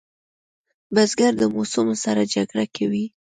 بزګر د موسمو سره جګړه کوي